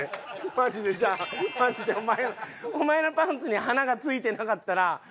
マジでマジでお前お前のパンツに花がついてなかったら。